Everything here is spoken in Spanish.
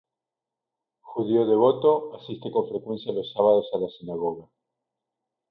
Judío devoto, asiste con frecuencia los sábados a la sinagoga.